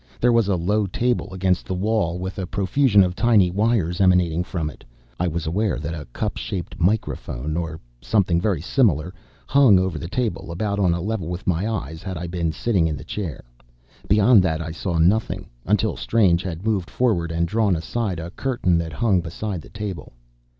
There was a low table against the wall, with a profusion of tiny wires emanating from it. I was aware that a cup shaped microphone or something very similar hung over the table, about on a level with my eyes, had I been sitting in the chair. Beyond that I saw nothing, until Strange had moved forward and drawn aside a curtain that hung beside the table.